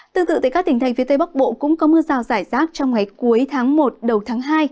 tương tự tại các tỉnh thành phía tây bắc bộ cũng có mưa rào rải rác trong ngày cuối tháng một đầu tháng hai